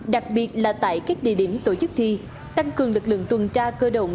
đặc biệt là tại các địa điểm tổ chức thi tăng cường lực lượng tuần tra cơ động